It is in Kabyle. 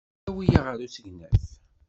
Awi-aɣ ɣer usegnaf.